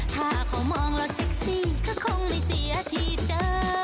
ถ้าเขามองแล้วเซ็กซี่ก็คงไม่เสียที่เจอ